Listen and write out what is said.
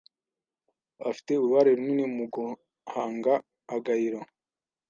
afite uruhare runini muguhanga agairo